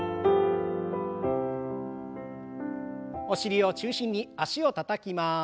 お尻を中心に脚をたたきます。